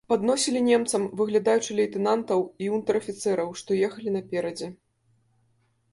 Падносілі немцам, выглядаючы лейтэнантаў і унтэр-афіцэраў, што ехалі наперадзе.